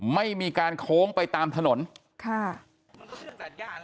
ไม่มีการโค้งไปตามถนนค่ะ